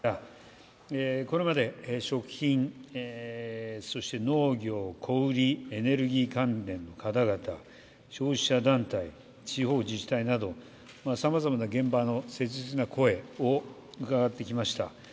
これまで食品、そして農業、小売、エネルギー関連の方々、消費者団体、地方自治体などさまざまな現場の切実な声を伺ってきました。